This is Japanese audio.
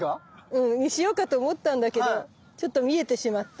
うんにしようかと思ったんだけどちょっと見えてしまった。